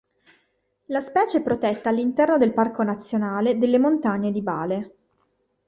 La specie è protetta all'interno del Parco nazionale delle montagne di Bale.